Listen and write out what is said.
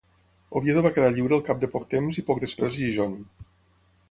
Oviedo va quedar lliure al cap de poc temps i poc després Gijón.